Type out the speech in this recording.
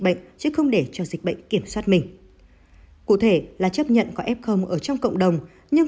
bệnh chứ không để cho dịch bệnh kiểm soát mình cụ thể là chấp nhận có f ở trong cộng đồng nhưng